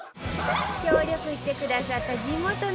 協力してくださった地元の皆さん